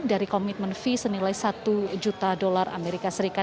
dari komitmen fee senilai satu juta dolar amerika serikat